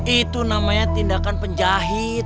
itu namanya tindakan penjahit